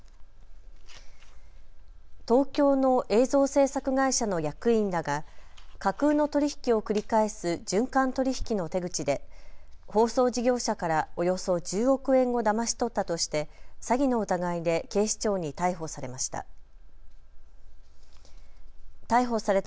東京の映像制作会社の役員らが架空の取り引きを繰り返す循環取引の手口で放送事業者からおよそ１０億円をだまし取ったとして詐欺の疑いで警視庁に逮捕されました。